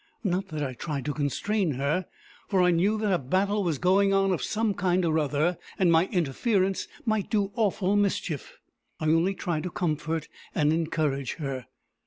Not that I tried to constrain her, for I knew that a battle was going on of some kind or other, and my interference might do awful mischief. I only tried to comfort and encourage her.